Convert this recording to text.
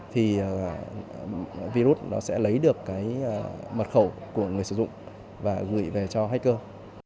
thì virus nó sẽ lấy được cái mật khẩu của người sử dụng và gửi về cho hacker